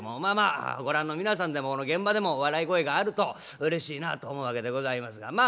まあまあご覧の皆さんでも現場でも笑い声があるとうれしいなあと思うわけでございますが。